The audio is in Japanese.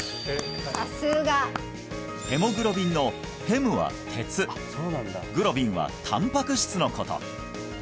ヘモグロビンの「ヘム」は鉄「グロビン」はたんぱく質のこと